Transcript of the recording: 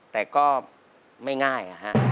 แต่ก็ไม่ง่าย